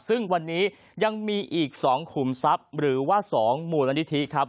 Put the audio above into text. ซึ่งวันนี้ยังมีอีก๒ขุมทรัพย์หรือว่า๒มูลนิธิครับ